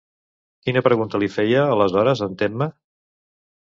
Quina pregunta li feia, aleshores, en Temme?